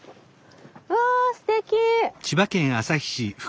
わすてき！